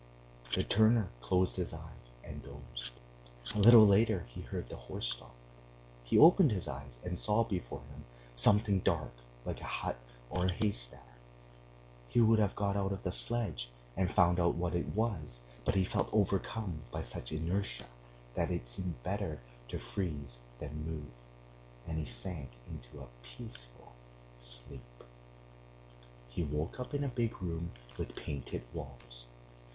The turner closed his eyes and dozed. A little later he heard the horse stop; he opened his eyes and saw before him something dark like a hut or a haystack.... He would have got out of the sledge and found out what it was, but he felt overcome by such inertia that it seemed better to freeze than move, and he sank into a peaceful sleep. He woke up in a big room with painted walls.